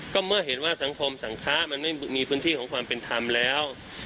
ก็เมื่อเห็นว่าสังคมสังค้ามันไม่มีพื้นที่ของความเป็นธรรมแล้ว